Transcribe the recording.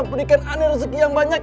berikan aneh rezeki yang banyak